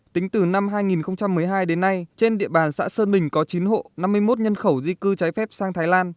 tính từ năm hai nghìn một mươi hai đến nay trên địa bàn xã sơn bình có chín hộ năm mươi một nhân khẩu di cư trái phép sang thái lan